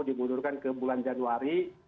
dimundurkan ke bulan januari